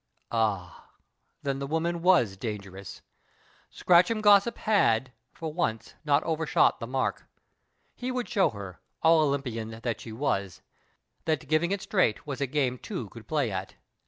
Ah, then the woman rcf/.v dangerous. Scratcluin 61 PASTICHE AND PREJUDICE gossip had, for once, not overshot the mark. He would sliow her, all Olympian though she was, that giving it straight was a game two could play at.